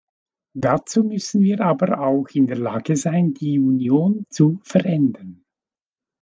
Dazu müssen wir aber auch in der Lage sein, die Union zu verändern.